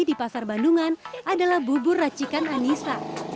di pasar bandungan adalah bubur racikan anissa